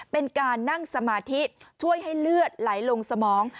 เป็นการนั่งสมาธิช่วยให้เลือดไหลลงสมอง